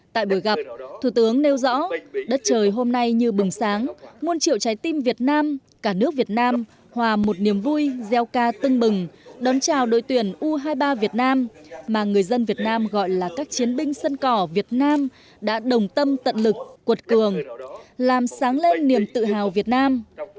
tại buổi gặp thủ tướng nêu rõ đất trời hôm nay như bừng sáng muôn triệu trái tim việt nam cả nước việt nam hòa một niềm vui gieo ca tưng bừng đón chào đội tuyển u hai mươi ba việt nam mà người dân việt nam gọi là các chiến binh sân cỏ việt nam đã đồng tâm tận lực cuột cường làm sáng lên niềm tự hào việt nam